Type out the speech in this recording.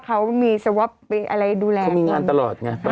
เขามีงานตลอดไง